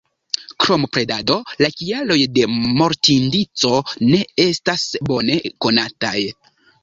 Krom predado la kialoj de mortindico ne estas bone konataj.